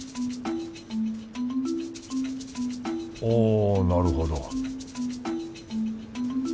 おなるほど